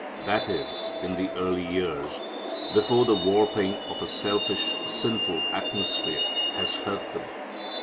That is, in the early years, before the warping of a selfish, sinful atmosphere has hurt them.